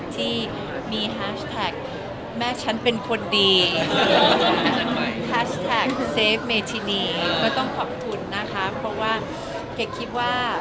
ที่มีแฮชแท็กแม่ฉันเป็นคนดีแฮชแท็กเซฟเมธินีก็ต้องขอบคุณนะคะเพราะว่าเก๋คิดว่า